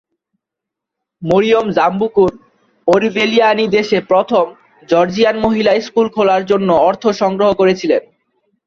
Mariam Jambakur Orbeliani দেশে প্রথম Georgian মহিলা স্কুল খোলার জন্য অর্থ সংগ্রহ করেছিলেন।